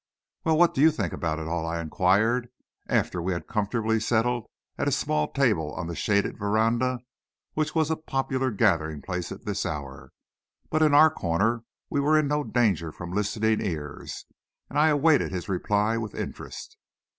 "Well, what do you think about it all?" I inquired, after we were comfortably settled at a small table on the shaded veranda, which was a popular gathering place at this hour. But in our corner we were in no danger from listening ears, and I awaited his reply with interest.